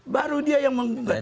baru dia yang menggubat